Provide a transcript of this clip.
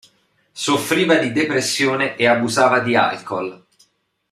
Soffriva di depressione e abusava di alcohol.